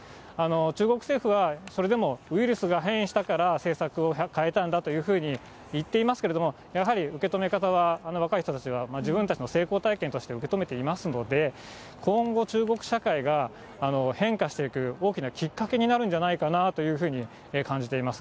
中国政府は、それでもウイルスが変異したから政策を変えたんだというふうに言っていますけれども、やはり受け止め方は若い人たちは自分たちの成功体験として受け止めていますので、今後中国社会が変化していく、大きなきっかけになるんじゃないかなというふうに感じています。